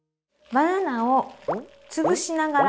バナナを潰しながら。